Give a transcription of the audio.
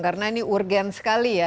karena ini urgent sekali ya